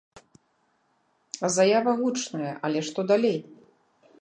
Заява гучная, але што далей?